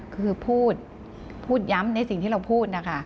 คือพูดพูดย้ำในสิ่งที่เราพูดนะคะ